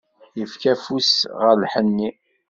Yefka afus-is ɣer lḥenni.